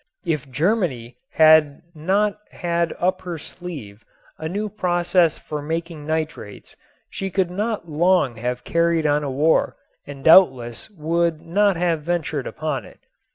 If Germany had not had up her sleeve a new process for making nitrates she could not long have carried on a war and doubtless would not have ventured upon it.